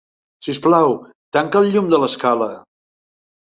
Sisplau, tanca el llum de l'escala.